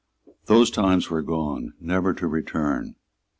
Those times were gone, never to return.